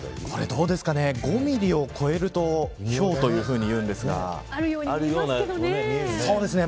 どうですかね、５ミリを超えると、ひょうというふうにあるように見えますけどね。